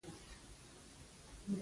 په فېسبوک کې خلک د طبیعت عکسونه شریکوي